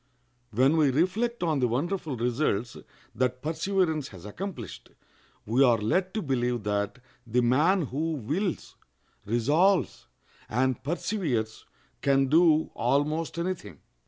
When we reflect on the wonderful results that perseverance has accomplished, we are led to believe that the man who wills, resolves, and perseveres can do almost any thing.